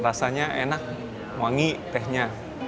rasanya enak wangi tehnya